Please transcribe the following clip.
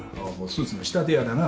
スーツの仕立て屋だな。